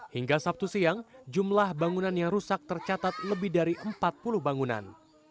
hingga sabtu siang jumlah bangunan yang rusak tercatat lebih dari empat puluh bangunan